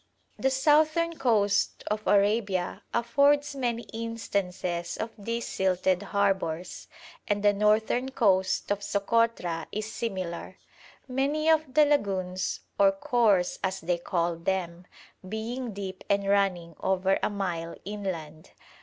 The southern coast of Arabia affords many instances of these silted harbours, and the northern coast of Sokotra is similar, many of the lagoons, or khors as they call them, being deep and running over a mile inland.